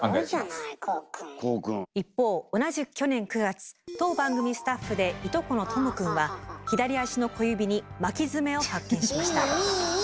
一方同じく去年９月当番組スタッフでいとこのとも君は左足の小指に巻き爪を発見しました。